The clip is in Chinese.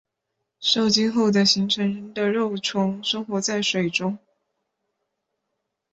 受精后的形成的幼虫生活在水中。